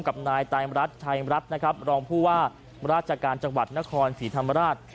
กับนายตามรัฐชัยรัฐนะครับรองผู้ว่าราชการจังหวัดนครศรีธรรมราช